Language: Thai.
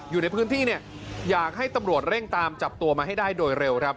อยู่ในพื้นที่เนี่ยอยากให้ตำรวจเร่งตามจับตัวมาให้ได้โดยเร็วครับ